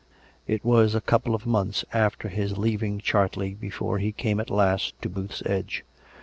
It was a couple of months after his leaving Chartley be fore he came at last to Booth's Edge.